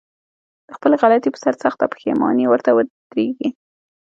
د خپلې غلطي په سر سخته پښېماني ورته ودرېږي.